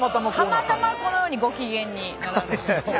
たまたまこのようにご機嫌になられて。